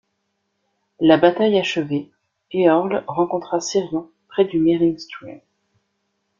La bataille achevée, Eorl rencontra Cirion près du Mering Stream.